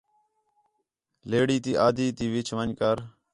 لیڑی تی آدھی تی ون٘ڄ کر